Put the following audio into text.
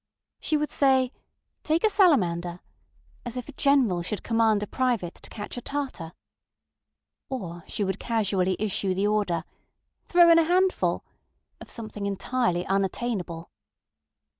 She would say, ŌĆśTake a salamander, ŌĆÖ as if a general should command a private to catch a Tartar. Or, she would casually issue the order, ŌĆśThrow in a handfulŌĆÖ of something entirely unattainable.